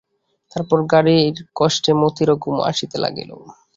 তারপর গাড়ির কষ্টে মতিরও ঘুম আসিতে লাগিল।